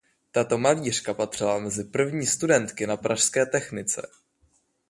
Tato malířka patřila mezi první studentky na pražské technice.